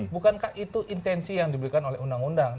bukankah itu intensi yang diberikan oleh undang undang